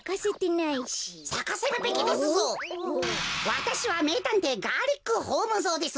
わたしはめいたんていガーリックホームゾーです。